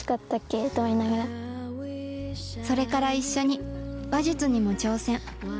それから一緒に馬術にも挑戦